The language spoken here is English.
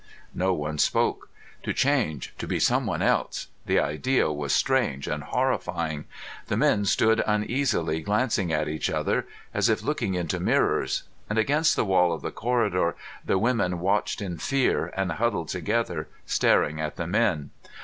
No one spoke. To change, to be someone else the idea was strange and horrifying. The men stood uneasily glancing at each other, as if looking into mirrors, and against the wall of the corridor the women watched in fear and huddled together, staring at the men.